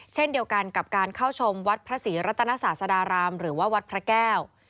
เช่นเดียวกันกับการเข้าชมวัดพระศรีรัตนศาสดารามหรือว่าวัดพระแก้ว